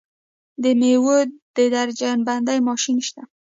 د میوو د درجه بندۍ ماشین شته؟